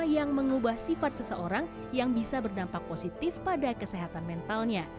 yang mengubah sifat seseorang yang bisa berdampak positif pada kesehatan mentalnya